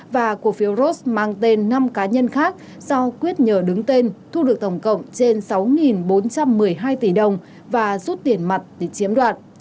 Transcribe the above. và cổ phiếu ros mang tên năm cá nhân khác do quyết nhờ đứng tên thu được tổng cộng trên sáu bốn trăm một mươi hai tỷ đồng và rút tiền mặt để chiếm đoạt